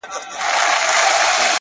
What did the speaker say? ډېوې پوري؛